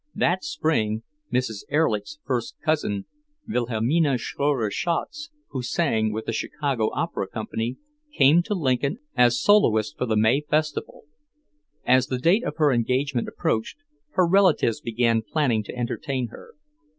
That spring Mrs. Erlich's first cousin, Wilhelmina Schroeder Schatz, who sang with the Chicago Opera Company, came to Lincoln as soloist for the May Festival. As the date of her engagement approached, her relatives began planning to entertain her.